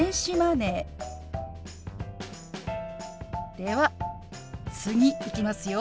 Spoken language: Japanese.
では次いきますよ。